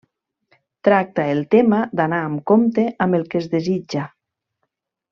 Tracta el tema d'anar amb compte amb el que es desitja.